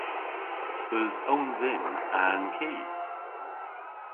Esa own dhyn a'n ki?